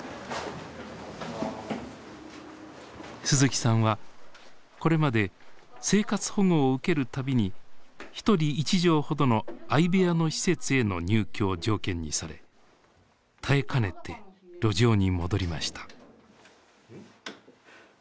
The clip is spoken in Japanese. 鈴木さんはこれまで生活保護を受ける度に一人一畳ほどの相部屋の施設への入居を条件にされ耐えかねて路上に戻りました。